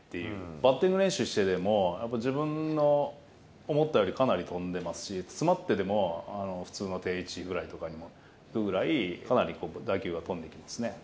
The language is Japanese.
バッティング練習してても、やっぱ自分の思ったよりかなり飛んでますし、詰まってても、普通の定位置ぐらいに行くぐらい、かなり打球が飛んでいきますね。